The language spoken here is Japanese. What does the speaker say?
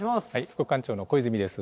副館長の小泉です。